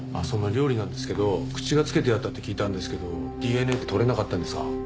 その料理なんですけど口がつけてあったって聞いたんですけどＤＮＡって採れなかったんですか？